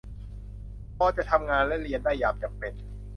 พอจะทำงานและเรียนได้ยามจำเป็น